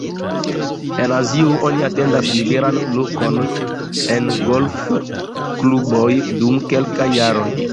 En Azio oni atendas liberan lokon en golfkluboj dum kelkaj jaroj.